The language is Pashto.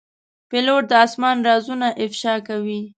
پیلوټ د آسمان رازونه افشا کوي.